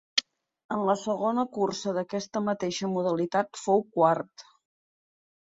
En la segona cursa d'aquesta mateixa modalitat fou quart.